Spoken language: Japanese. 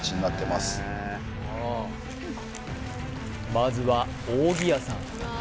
まずは扇谷さん